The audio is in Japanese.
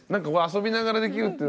遊びながらできるって。